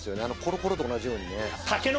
あのコロコロと同じようにね。